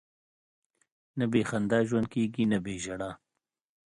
نه بې خندا ژوند کېږي، نه بې ژړا.